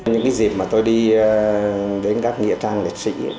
những dịp mà tôi đi đến các nghịa trang lịch sử